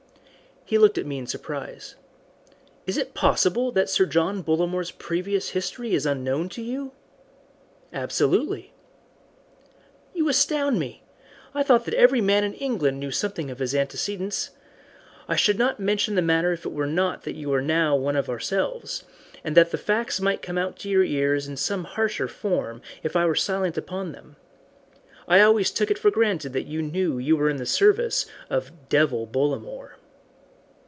He looked at me in surprise. "Is it possible," said he, "that Sir John Bollamore's previous history is unknown to you?" "Absolutely." "You astound me. I thought that every man in England knew something of his antecedents. I should not mention the matter if it were not that you are now one of ourselves, and that the facts might come to your ears in some harsher form if I were silent upon them. I always took it for granted that you knew that you were in the service of 'Devil' Bollamore."